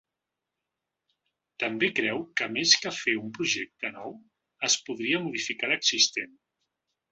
També creu que més que fer un projecte nou es podria modificar l’existent.